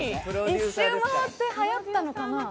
一周回ってはやったのかな。